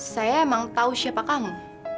saya emang tahu siapa kamu